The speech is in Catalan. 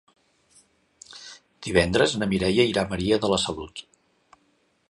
Divendres na Mireia irà a Maria de la Salut.